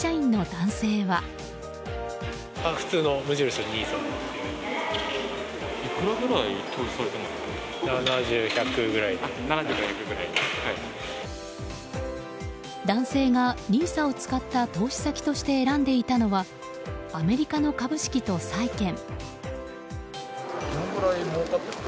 男性がＮＩＳＡを使った投資先として選んでいたのはアメリカの株式と債券。